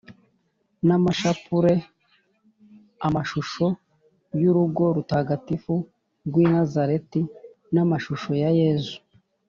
n’amashapure, amashusho y’urugo rutagatifu rw’i nazareti n’amashusho ya yezu